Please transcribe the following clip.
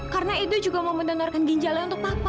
karena edo juga mau mendonorkan ginjalnya untuk papa